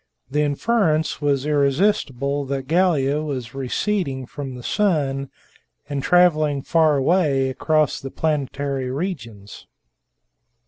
The inference was irresistible that Gallia was receding from the sun, and traveling far away across the planetary regions.